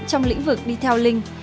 trong lĩnh vực đi theo linh